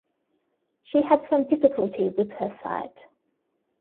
She had some difficulty with her sight.